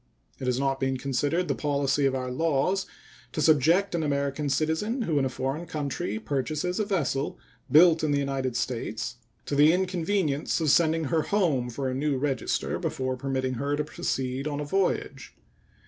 It has not been considered the policy of our laws to subject an American citizen who in a foreign country purchases a vessel built in the United States to the inconvenience of sending her home for a new register before permitting her to proceed on a voyage.